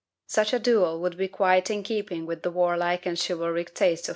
Such a duel would be quite in keeping with the warlike and chivalric tastes of M.